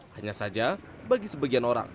hanya saja bagi sebagian orang